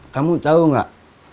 kamu tahu nggak